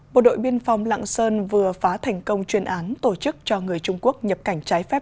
bộ đội biên phòng lạng sơn vừa phá thành công chuyên án tổ chức cho người trung quốc nhập cảnh trái phép